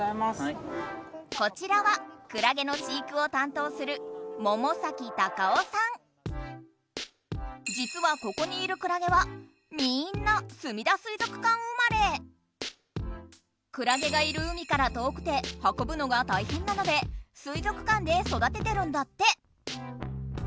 こちらはクラゲの飼育を担当するじつはここにいるクラゲはみんなクラゲがいる海から遠くてはこぶのが大変なので水族館でそだててるんだって。